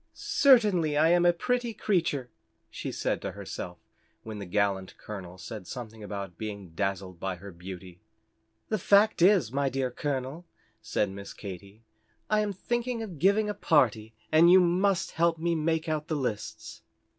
"Certainly I am a pretty creature," she said to herself when the gallant Colonel said something about being dazzled by her beauty. "The fact is, my dear Colonel," said Miss Katy, "I am thinking of giving a party, and you must help me make out the lists."